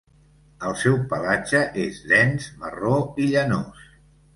El seu pelatge és dens, marró i llanós.